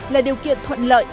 là điều kiện thuận lợi